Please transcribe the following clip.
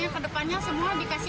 yang kemana mana ternyata angkut aja